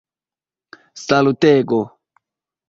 salutego